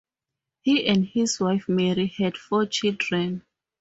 He and his wife Mary had four children.